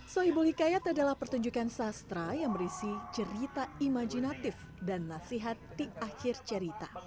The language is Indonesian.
sohibul hikayat adalah pertunjukan sastra yang berisi cerita imajinatif dan nasihat di akhir cerita